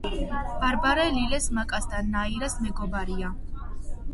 ბარბარე ლილეს, მაკას და ნაირას მეგობარია